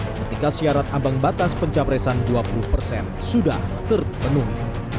ketika syarat ambang batas pencapresan dua puluh persen sudah terpenuhi